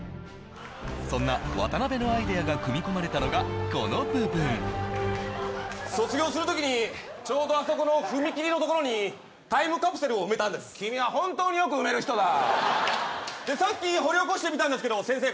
そんな渡辺のアイデアが組み込まれたのがこの部分卒業する時にちょうどあそこの踏切のところにタイムカプセルを埋めたんです君は本当によく埋める人だでさっき掘り起こしてみたんですけど先生